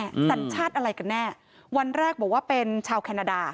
สัญชาติอะไรกันแน่วันแรกบอกว่าเป็นชาวแคนาดา